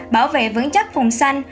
bảo vệ vững chắc vùng xanh